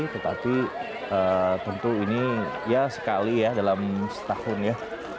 tetapi tentu ini ya sekali ya dalam setahun ya